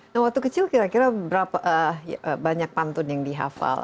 nah waktu kecil kira kira berapa banyak pantun yang dihafal